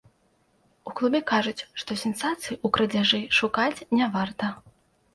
У клубе кажуць, што сенсацыі ў крадзяжы шукаць не варта.